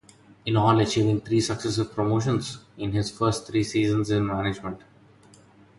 In all achieving three successive promotions in his first three seasons in management.